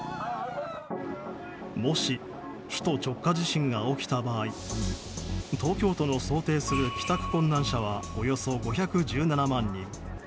もし、首都直下地震が起きた場合東京都の想定する帰宅困難者はおよそ５１７万人。